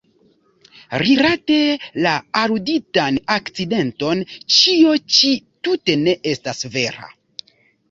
Rilate la aluditan akcidenton ĉio ĉi tute ne estas vera.